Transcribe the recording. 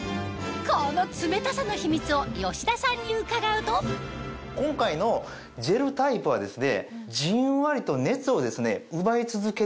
この冷たさの秘密を吉田さんに伺うと今回のジェルタイプはですね。